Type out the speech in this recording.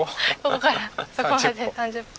ここからそこまで３０歩。